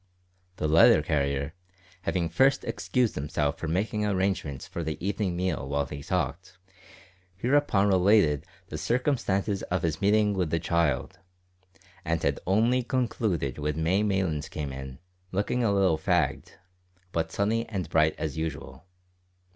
The letter carrier, having first excused himself for making arrangements for the evening meal while he talked, hereupon related the circumstances of his meeting with the child, and had only concluded when May Maylands came in, looking a little fagged, but sunny and bright as usual.